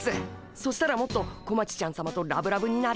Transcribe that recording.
そしたらもっと小町ちゃんさまとラブラブになれるっす。